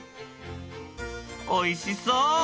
おいしそう！